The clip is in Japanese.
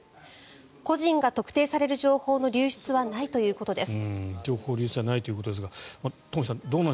個人が特定される情報の流出はないということです。